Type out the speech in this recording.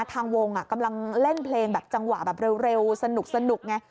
ทางวงกำลังเล่นเพลงแบบจังหวะแบบเร็วสนุกไง